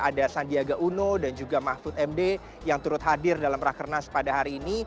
ada sandiaga uno dan juga mahfud md yang turut hadir dalam rakernas pada hari ini